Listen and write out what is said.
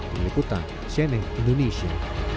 meliputan siening indonesia